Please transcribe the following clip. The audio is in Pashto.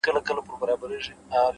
• چي پکي روح نُور سي، چي پکي وژاړي ډېر،